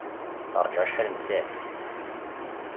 Teṛja acḥal n tsaɛtin.